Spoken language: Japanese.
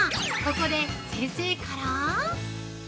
ここで先生から？